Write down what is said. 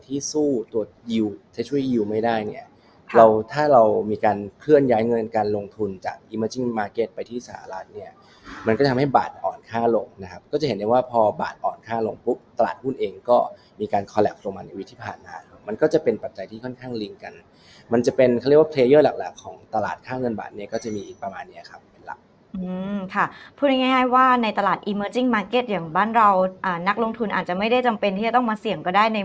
ที่สู้ตัวยิวจะช่วยยิวไม่ได้เนี้ยเราถ้าเรามีการเคลื่อนย้ายเงินการลงทุนจากอิมเมอร์จิ้งมาร์เก็ตไปที่สหรัฐเนี้ยมันก็จะทำให้บาทอ่อนค่าหลงนะครับก็จะเห็นได้ว่าพอบาทอ่อนค่าหลงปุ๊บตลาดหุ้นเองก็มีการคอแหลกลงมาในวิทย์ผ่านนานมันก็จะเป็นปัจจัยที่ค่อนข้างลิงกันมันจะเป็นเขาเรีย